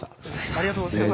ありがとうございます！